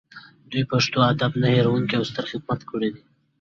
دوی پښتو ادب ته نه هیریدونکي او ستر خدمتونه کړي دي